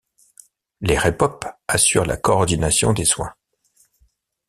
Les Réppop assurent la coordination des soins.